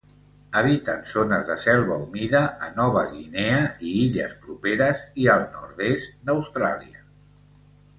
Habiten zones de selva humida, a Nova Guinea i illes properes, i al nord-est d'Austràlia.